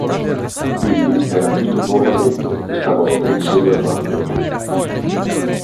Billy è rapito nuovamente, questa volta insieme a Mulder.